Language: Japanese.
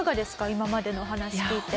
今までのお話聞いて。